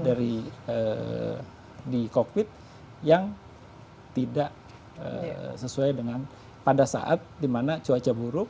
dari di kokpit yang tidak sesuai dengan pada saat di mana cuaca buruk